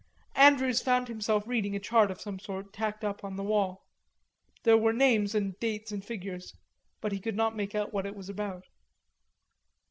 Andrews found himself reading a chart of some sort tacked up on the wall. There were names and dates and figures, but he could not make out what it was about.